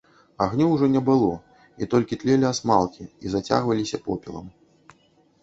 Агню ўжо не было, і толькі тлелі асмалкі і зацягваліся попелам.